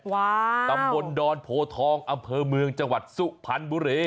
ตำบลดอนโพทองอำเภอเมืองจังหวัดสุพรรณบุรี